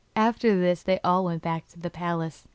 After this they all went back to the palace.